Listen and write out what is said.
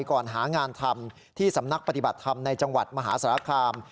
ก่อนหางานทำที่สำนักปฏิบัติธรรมในจังหวัดมหาสารคาม